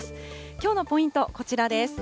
きょうのポイント、こちらです。